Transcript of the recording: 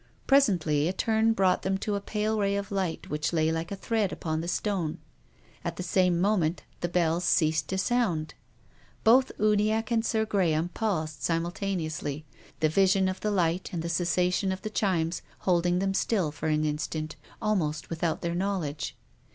Presently a turn brought them to a pale ray of light which lay like a thread upon the stone. At the same moment the bells ceased to sound. Both Uniacke and Sir Graham paused simultaneously, the vision of the light and the cessation of the chimes holding them still for an instant almost without their knowledge.